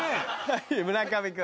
村上君。